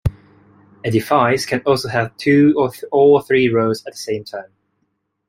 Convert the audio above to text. A device can also have two or all three roles at the same time.